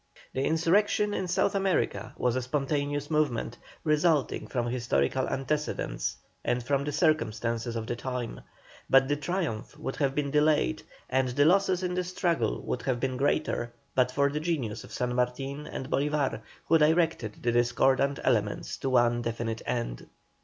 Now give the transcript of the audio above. The insurrection in South America was a spontaneous movement, resulting from historical antecedents and from the circumstances of the time, but the triumph would have been delayed, and the losses in the struggle would have been greater, but for the genius of San Martin and Bolívar, who directed the discordant elements to one definite end.